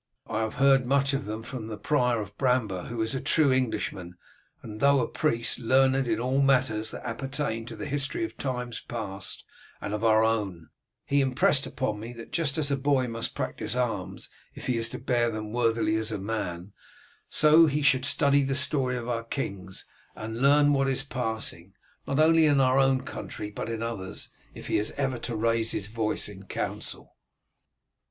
"I have heard much of them from the prior of Bramber, who is a true Englishman, and though a priest, learned in all matters that appertain to the history of times past and of our own; he impressed upon me that just as a boy must practise arms if he is to bear them worthily as a man, so he should study the story of our kings, and learn what is passing, not only in our own country but in others, if he is ever to raise his voice in council."